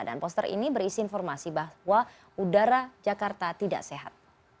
dan poster ini berisi informasi bahwa udara jakarta tidak sehat